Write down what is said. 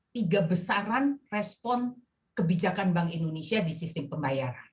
tiga besaran respon kebijakan bank indonesia di sistem pembayaran